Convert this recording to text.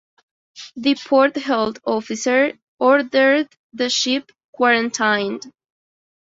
The port health officer ordered the ship quarantined.